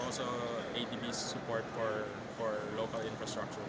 adb juga mendapatkan support untuk infrastruktur lokal